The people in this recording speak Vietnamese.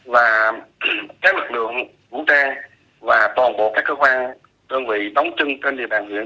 và các lực lượng vũ trang và toàn bộ các cơ quan tương vị đóng chân trên địa bàn huyện